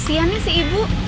kasiannya si ibu